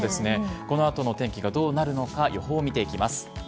このあとの天気がどうなるのか、予報を見ていきます。